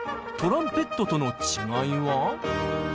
トランペットとの違いは？